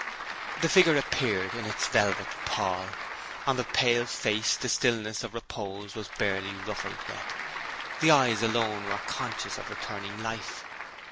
The figure appeared, in its velvet pall. On the pale face the stillness of repose was barely ruffled yet. The eyes alone were conscious of returning life.